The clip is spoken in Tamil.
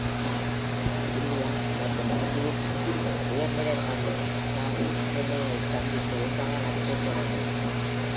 Williams மற்றும் Hugo உயர்நிலைப் பள்ளியில் Shae Haley-யைச் சந்தித்து ஒன்றாக நடிப்பைத் தொடங்கினர்.